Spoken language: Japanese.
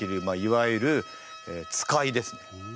まあいわゆる使いですね。